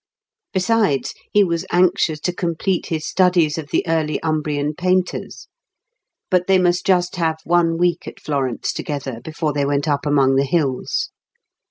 Besides, he was anxious to complete his studies of the early Umbrian painters. But they must have just one week at Florence together before they went up among the hills.